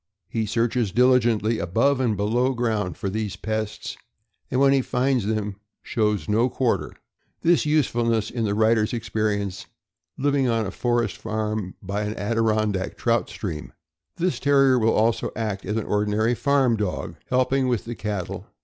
He searches diligently above and below ground for these pests, and when he finds them shows no quar ter. This usefulness in the writer's experience, living on a forest farm, by an Adirondack trout stream. This Terrier will also act as an ordinary farm dog, helping with the cat tle.